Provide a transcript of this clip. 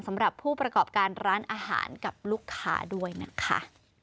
สำหรับผู้ประกอบการร้านอาหารกับลูกค้าด้วยนะคะ